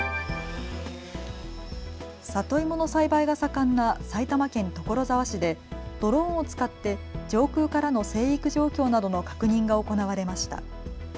里芋の栽培が盛んな埼玉県所沢市でドローンを使って上空からの生育状況などの確認が行われました。